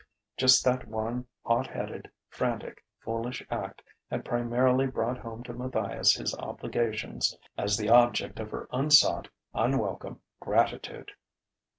Just that one hot headed, frantic, foolish act had primarily brought home to Matthias his obligations as the object of her unsought, unwelcome gratitude....